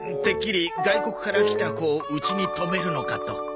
てっきり外国から来た子をうちに泊めるのかと。